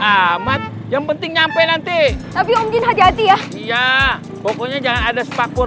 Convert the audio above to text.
amat yang penting nyampe nanti tapi mungkin hati hati ya iya pokoknya jangan ada sepakul